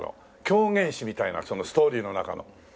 狂言師みたいなストーリーの中の。